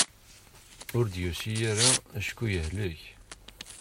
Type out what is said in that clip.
Ur d-yusi ara acku yehlek.